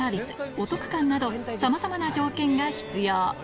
お得感などさまざまな条件が必要